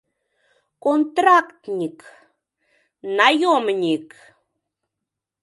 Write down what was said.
Контрактник, наёмник!